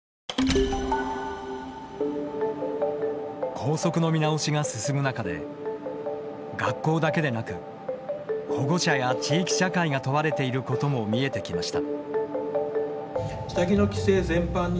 校則の見直しが進む中で学校だけでなく保護者や地域社会が問われていることも見えてきました。